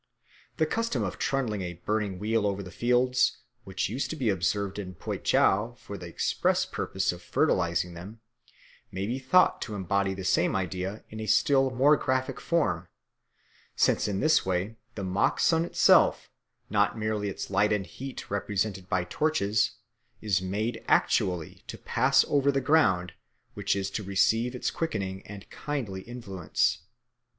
The custom of trundling a burning wheel over the fields, which used to be observed in Poitou for the express purpose of fertilising them, may be thought to embody the same idea in a still more graphic form; since in this way the mock sun itself, not merely its light and heat represented by torches, is made actually to pass over the ground which is to receive its quickening and kindly influence.